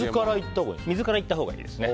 水からいったほうがいいんですか？